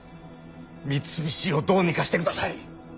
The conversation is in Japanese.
三菱をどうにかしてください！